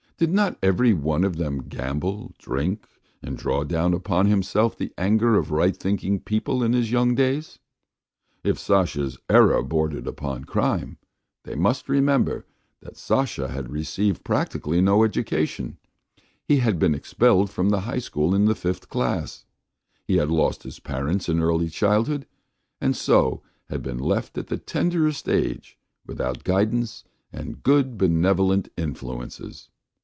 Did not every one of them gamble, drink, and draw down upon himself the anger of right thinking people in his young days? If Sasha's error bordered upon crime, they must remember that Sasha had received practically no education; he had been expelled from the high school in the fifth class; he had lost his parents in early childhood, and so had been left at the tenderest age without guidance and good, benevolent influences.